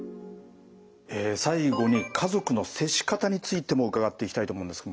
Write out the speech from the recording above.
最後に家族の接し方についても伺っていきたいと思うんですけど